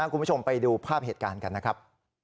คุณผู้ชมไปดูภาพเหตุการณ์กันนะครับ